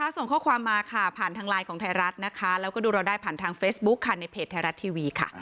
ส่งข้อความมาค่ะผ่านทางไลน์ของไทยรัฐนะคะแล้วก็ดูเราได้ผ่านทางเฟซบุ๊คค่ะในเพจไทยรัฐทีวีค่ะ